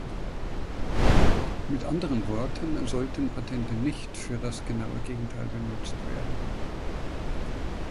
Mit anderen Worten sollten Patente nicht für das genaue Gegenteil benutzt werden.